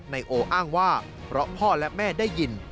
นายโออ้างว่าเพราะพ่อและแม่ได้ยิน